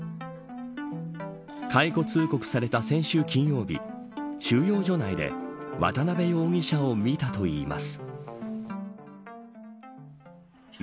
解雇通告された先週金曜日収容所内で渡辺容疑者を見たといいます。